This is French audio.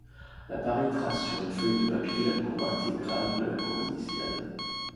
L'appareil trace sur une feuille de papier la courbe intégrale de la courbe initiale.